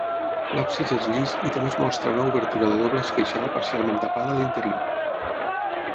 L'absis és llis i només mostra una obertura de doble esqueixada parcialment tapada l'interior.